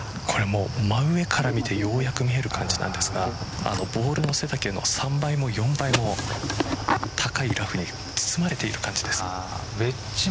真上から見てようやく見える感じなんですがボールの背丈の３倍も４倍も高いラフに包まれている感じです。